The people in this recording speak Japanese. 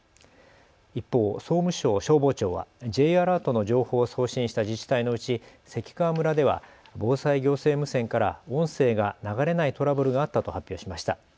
一方、総務省消防庁はＪアラートの情報を送信した自治体のうち関川村では防災行政無線から音声が流れないトラブルがあったと発表しました。